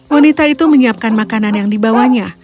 wanita itu menyiapkan makanan yang dibawanya